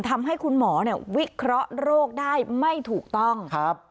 ทำให้คุณหมอเนี่ยวิเคราะห์โรคได้ไม่ถูกต้อง